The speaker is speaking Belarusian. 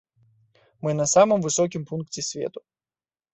Мы на самым высокім пункце свету.